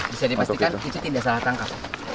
bisa dipastikan itu tidak salah tangkap